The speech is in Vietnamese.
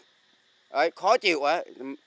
đấy khó chịu ấy